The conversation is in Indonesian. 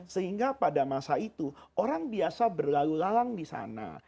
sehingga pada masa itu orang biasa berlalu lalang di sana